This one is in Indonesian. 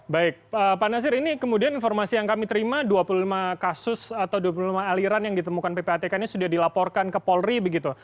baik pak nasir ini kemudian informasi yang kami terima dua puluh lima kasus atau dua puluh lima aliran yang ditemukan ppatk ini sudah dilaporkan ke polri begitu